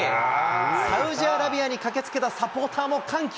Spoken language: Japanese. サウジアラビアに駆けつけたサポーターも歓喜。